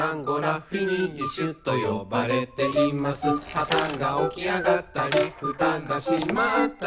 「はたが起き上がったりふたが閉まったり」